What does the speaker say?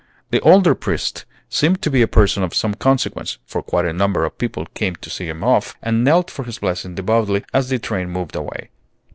The older priest seemed to be a person of some consequence; for quite a number of people came to see him off, and knelt for his blessing devoutly as the train moved away.